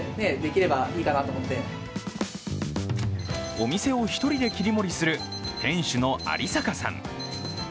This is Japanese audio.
お店を１人で切り盛りする店主の有坂さん。